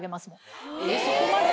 そこまで？